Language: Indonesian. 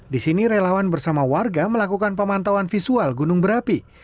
di sini relawan bersama warga melakukan pemantauan visual gunung berapi